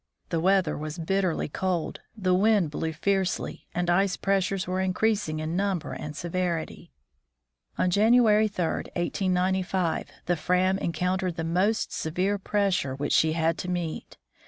The weather was bitterly cold, the wind blew fiercely, and ice pressures were increasing in number and severity. 126 THE FROZEN NORTH On January 3, 1895, the Fram encountered the most se vere pressure which she had to meet.